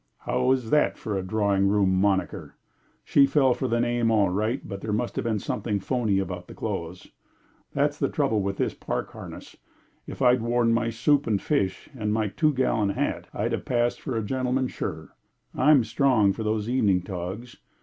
How is that for a drawing room monaker? She fell for the name all right, but there must have been something phony about the clothes. That's the trouble with this park harness; if I'd wore my 'soup and fish' and my two gallon hat, I'd have passed for a gentleman sure. I'm strong for those evening togs.